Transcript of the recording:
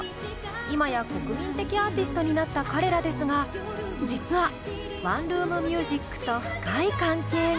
今や国民的アーティストになった彼らですが実は「ワンルーム☆ミュージック」と深い関係が。